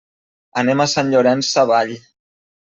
Anem a Sant Llorenç Savall.